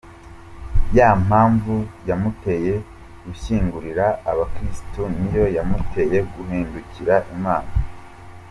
Ya mpamvu yamuteye gushinyagurira abakiristu niyo yamuteye guhindukirira Imana.